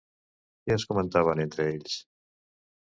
Què es comentaven entre ells?